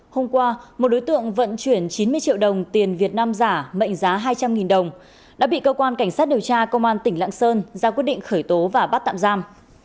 hôm qua một đối tượng vận chuyển chín mươi triệu đồng tiền việt nam giả mệnh giá hai trăm linh đồng đã bị cơ quan cảnh sát điều tra công an tỉnh lạng sơn ra quyết định khởi tố và bắt tạm giam